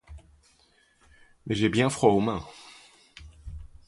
Mais j’ai bien froid aux mains.